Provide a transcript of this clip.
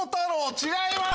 違います。